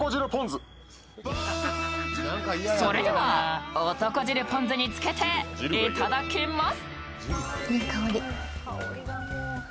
それでは男汁ポン酢につけて頂きます。